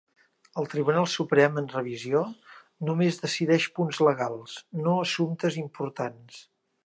El Tribunal Suprem en revisió només decideix punts legals, no assumptes importants.